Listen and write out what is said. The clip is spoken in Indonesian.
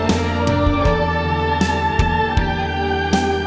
aku masih main